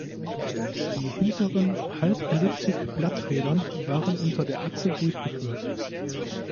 Die hinteren Halbelliptik-Blattfedern waren unter der Achse durchgeführt.